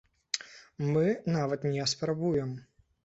Мы нават не спрабуем.